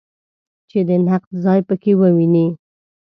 چې د نقد ځای په کې وویني.